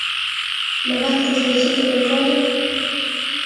Makaat kotinye chi tukul konyit.